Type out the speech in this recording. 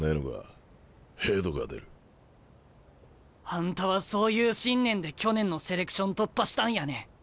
あんたはそういう信念で去年のセレクション突破したんやね。